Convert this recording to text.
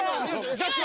ジャッジは？